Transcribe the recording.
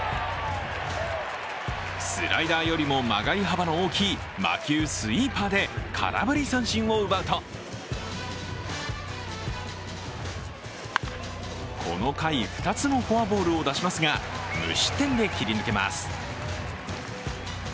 スライダーよりも曲がり幅の大きい魔球・スイーパーで空振り三振を奪うとこの回、２つのフォアボールを出しますが無失点で切り抜けます。